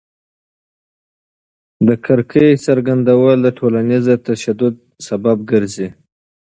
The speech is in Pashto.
د کرکې څرګندول د ټولنیز تشدد سبب ګرځي.